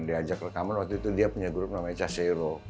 diajak rekaman waktu itu dia punya grup namanya casero